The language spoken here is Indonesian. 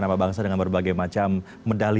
nama bangsa dengan berbagai macam medali